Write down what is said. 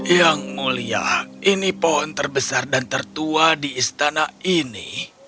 yang mulia ini pohon terbesar dan tertua di istana ini